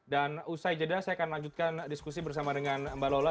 usai jeda saya akan lanjutkan diskusi bersama dengan mbak lola